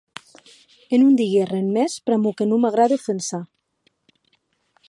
E non digui arren mès, pr’amor que non m’agrade ofensar.